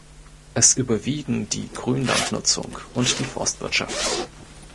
Es überwiegen die Grünlandnutzung und die Forstwirtschaft.